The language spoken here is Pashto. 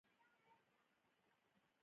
په دې کې څه ستونزه ده دا زموږ شعار کیدای شي